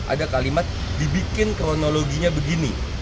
ada kalimat dibikin kronologinya begini